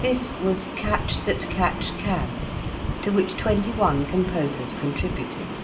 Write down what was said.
This was, "Catch that catch can," to which twenty one composers contributed.